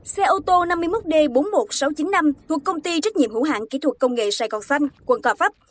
xe ô tô năm mươi một d bốn mươi một nghìn sáu trăm chín mươi năm thuộc công ty trách nhiệm hữu hạng kỹ thuật công nghệ sài gòn xanh quận cò pháp